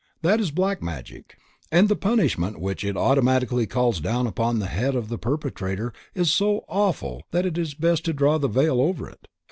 That is black magic, and the punishment which it automatically calls down upon the head of the perpetrator is so awful that it is best to draw the veil over it.